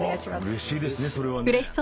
うれしいですねそれはね。